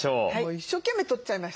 一生懸命撮っちゃいました。